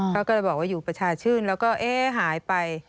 เขาก็เลยบอกว่าอยู่ประชาชื่นแล้วก็เอ๊ะหายไป